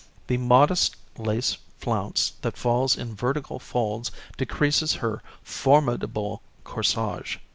The modest lace flounce that falls in vertical folds decreases her formidable corsage.